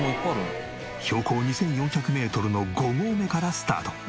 標高２４００メートルの５合目からスタート。